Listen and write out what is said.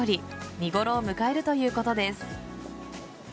見頃を迎えるということです。